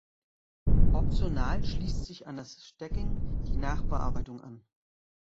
Optional schließt sich an das Stacking die Nachbearbeitung an.